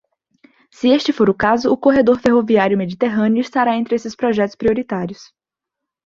Se este for o caso, o corredor ferroviário mediterrâneo estará entre esses projetos prioritários.